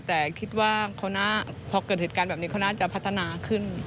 แต่คิดว่าพอเกิดเหตุการณ์แบบนี้เขาน่าจะพัฒนาขึ้น